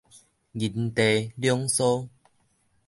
人地兩疏